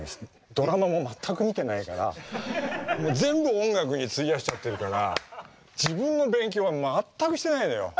ドラマも全く見てないから全部音楽に費やしちゃってるから自分の勉強は全くしてないのよ。